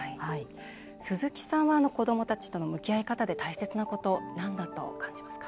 鈴木さんは子どもたちとの向き合い方で大切なことなんだと感じますか？